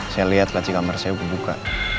saya liat lah si kamar saya buka buka